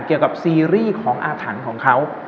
กับซีรีส์ของอาถรรพ์ของเขา